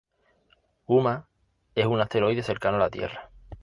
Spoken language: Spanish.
Huma es un asteroide cercano a la Tierra.